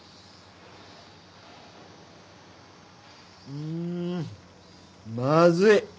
うーんまずい。